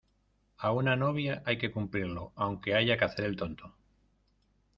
a una novia hay que cumplirlo, aunque haya que hacer el tonto